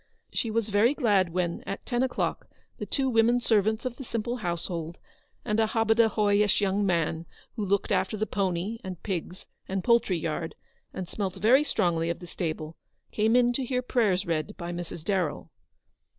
She was very glad when, at ten o'clock, the two women servants of the simple household and a hobadahoyish young man, who looked after the pony and pigs and poultry yard, and smelt very strongly of the stable, came in to hear prayers read by Mrs. Darrell.